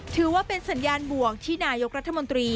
ถือว่าเป็นสัญญาณบวกที่นายกรัฐมนตรี